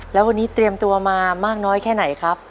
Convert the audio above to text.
แล้ววันนี้เตรียมตัวมามากน้อยแค่ไหนครับ